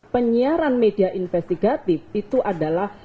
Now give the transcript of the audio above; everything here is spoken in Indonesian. penyiaran media investigatif itu adalah